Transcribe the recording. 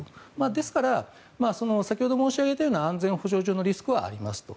ですから先ほど申し上げたような安全保障上のリスクはあると。